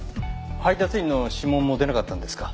配達員の指紋も出なかったんですか？